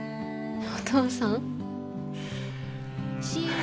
お父さん？